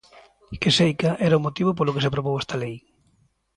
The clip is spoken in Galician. Que seica era o motivo polo que se aprobou esta lei.